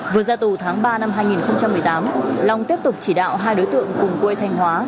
vừa ra tù tháng ba năm hai nghìn một mươi tám long tiếp tục chỉ đạo hai đối tượng cùng quê thanh hóa